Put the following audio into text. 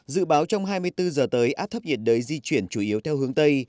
dự báo trong hai mươi bốn giờ tới áp thấp nhiệt đới di chuyển chủ yếu theo hướng tây